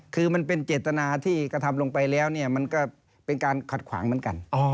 คือมันเป็นเจตนาที่กระทำลงไปแล้วเนี่ยมันก็เป็นการขัดขวางเหมือนกัน